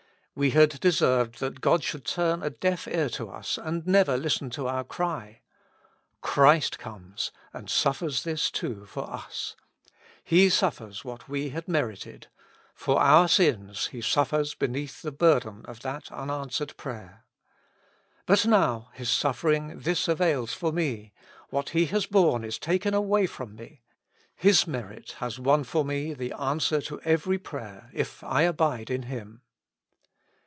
We had deserved that God should turn a deaf ear to us, and never listen to our cry. Christ comes, and suffers this too for us : He suffers what we had merited ; for our sins He suffers beneath the burden of that unan swered prayer. But now His suffering this avails for me : what He has borne is taken away from me ; His merit has won forme the answer to every prayer, if I abide in Him.